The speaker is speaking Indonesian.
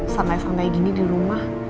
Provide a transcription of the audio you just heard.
sampai sampai gini di rumah